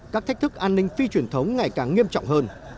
các thách thức an ninh phi truyền thống ngày càng nghiêm trọng hơn